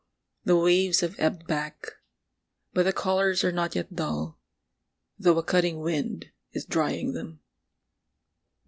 The waves have ebbed back ... but the colours are not yet dull, though a cutting wind is drying them.